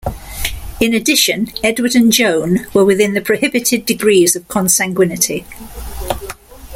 In addition, Edward and Joan were within the prohibited degrees of consanguinity.